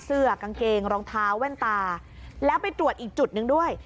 เสื้อกางเกงรองเท้าแว่นตาแล้วไปตรวจอีกจุดหนึ่งด้วย